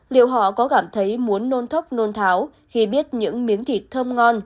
liệu họ có cảm thấy muốn nôn thóc nôn tháo khi biết những miếng thịt thơm ngon